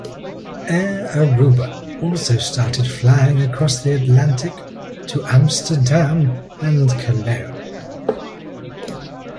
Air Aruba also started flying across the Atlantic to Amsterdam and Cologne.